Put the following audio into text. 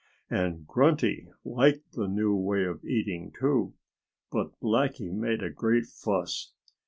And Grunty liked the new way of eating, too. But Blackie made a great fuss.